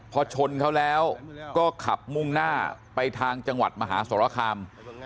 พอชนเขาแล้วก็ขับมุ่งหน้าไปทางจังหวัดมหาสรคาม